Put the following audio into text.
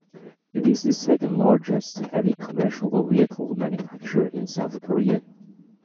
It is the second-largest heavy commercial vehicle manufacturer in South Korea.